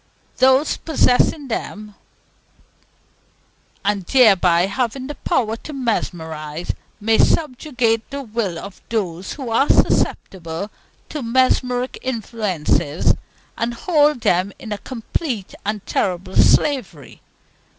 Those possessing them, and thereby having the power to mesmerize, may subjugate the will of those who are susceptible to mesmeric influences, and hold them in a complete and terrible slavery.